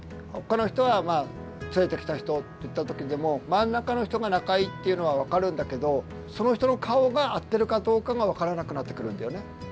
この人は連れてきた人っていった時でも真ん中の人が仲いいっていうのは分かるんだけどその人の顔が合ってるかどうかが分からなくなってくるんだよね。